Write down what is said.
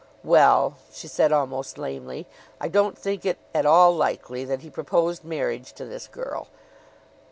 "Well," she said, almost lamely, "I don't think it at all likely that he proposed marriage to this girl."